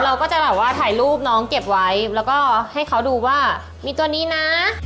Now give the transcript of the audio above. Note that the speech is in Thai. เราก็จะแบบว่าถ่ายรูปน้องเก็บไว้แล้วก็ให้เขาดูว่ามีตัวนี้นะ